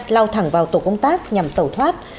lau thẳng vào tổ công tác nhằm tẩu thoát